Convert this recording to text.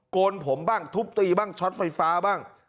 โกนผมบ้างทุบตีบ้างช็อตไฟฟ้าบ้าง